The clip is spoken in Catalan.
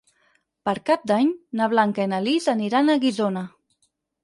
Per Cap d'Any na Blanca i na Lis aniran a Guissona.